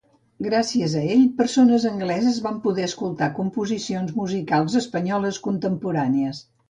Gràcies a ell, persones angleses van poder escoltar composicions musicals espanyoles contemporànies.